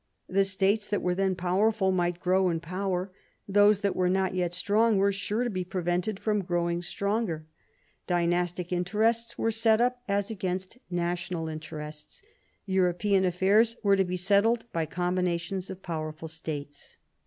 The states that were then powerful might grow in power ; those that were not yet strong were sure to be prevented from growing stronger. Dynastic interests were set up as against national interests. European affairs were to be settled by combinations of powerful states.